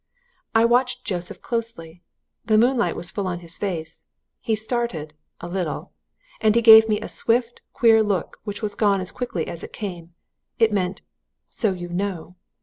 I watched Joseph closely. The moonlight was full on his face. He started a little. And he gave me a swift, queer look which was gone as quickly as it came it meant 'So you know!'